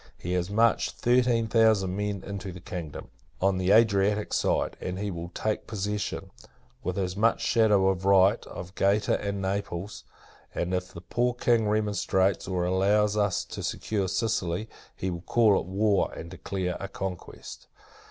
He has marched thirteen thousand men into the kingdom, on the Adriatic side; and he will take possession, with as much shadow of right, of Gaeta and Naples: and, if the poor King remonstrates, or allows us to secure Sicily, he will call it war, and declare a conquest.